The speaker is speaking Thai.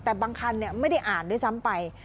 แต่บางคันไม่ได้อ่านด้วยซ้ำไป